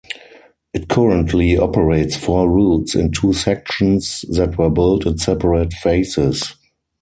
It currently operates four routes in two sections that were built in separate phases.